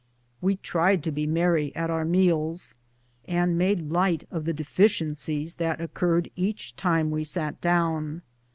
We tried to be merry at our meals, and made light of the deficiencies that occurred each time we sat down.